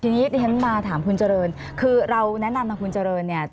ทีนี้ทีนี้มาถามคุณเจริญคือเราแนะนำคุณเจริญ